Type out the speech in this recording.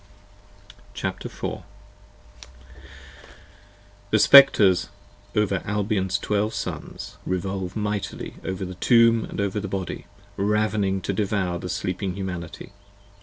94 P. 78 CHAPTER IV. r I ^"HE Spectres of Albion's Twelve Sons revolve mightily Over the Tomb & over the Body: rav'ning to devour The Sleeping Humanity.